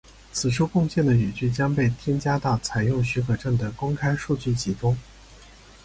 此处贡献的语句将被添加到采用许可证的公开数据集中。